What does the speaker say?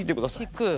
引く。